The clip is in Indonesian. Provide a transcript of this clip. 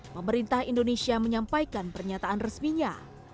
pemerintah indonesia menyampaikan pernyataan resminya